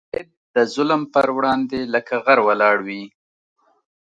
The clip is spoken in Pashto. مجاهد د ظلم پر وړاندې لکه غر ولاړ وي.